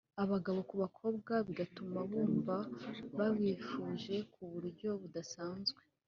abagabo ku bakobwa bigatuma bumva babifuje ku buryo budasanzwe